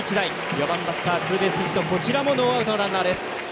４番バッター、ツーベースヒットこちらもノーアウトのランナー。